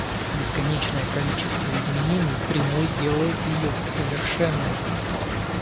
Бесконечное количество изменений прямой делает её совершенной.